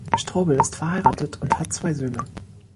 Strobel ist verheiratet und hat zwei Söhne.